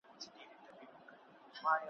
د څرمنو له بد بویه یې زړه داغ وو `